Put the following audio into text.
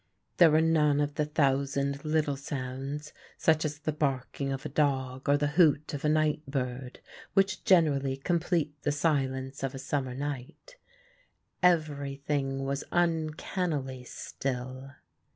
There were none of the thousand little sounds, such as the barking of a dog, or the hoot of a night bird, which generally complete the silence of a summer night. Everything was uncannily still.